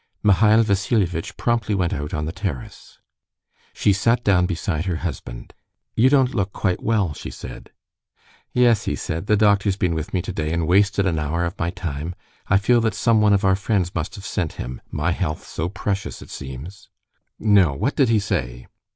Mihail Vassilievitch promptly went out on the terrace. She sat down beside her husband. "You don't look quite well," she said. "Yes," he said; "the doctor's been with me today and wasted an hour of my time. I feel that someone of our friends must have sent him: my health's so precious, it seems." "No; what did he say?"